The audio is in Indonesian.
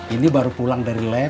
ini baru pulang dari lab